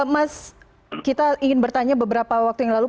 mas kita ingin bertanya beberapa waktu yang lalu